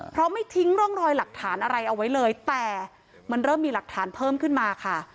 เพราะไม่ทิ้งร่องรอยหลักฐานอะไรเอาไว้เลยแต่มันเริ่มมีหลักฐานเพิ่มขึ้นมาค่ะ